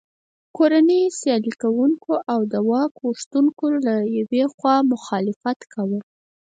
کورنیو سیالي کوونکو او د واک غوښتونکو له یوې خوا مخالفت کاوه.